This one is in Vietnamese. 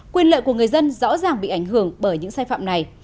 quyền lợi của người dân rõ ràng bị ảnh hưởng bởi những sai phạm này